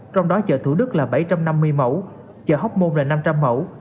trong đó chợ thủ đức là bảy trăm năm mươi mẫu chợ hóc môn là năm trăm linh mẫu